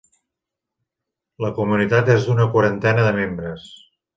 La comunitat és d'una quarantena de membres.